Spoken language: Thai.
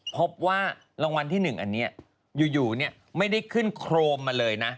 พบว่ารางวัลที่๑อันนี้อยู่ไม่ได้ขึ้นโครมมาเลยนะ